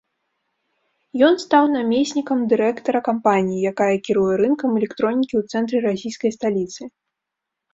Ён стаў намеснікам дырэктара кампаніі, якая кіруе рынкам электронікі ў цэнтры расійскай сталіцы.